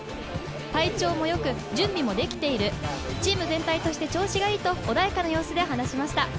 体調もよく準備もできている、チーム全体として調子がいいと穏やかな様子で話しました。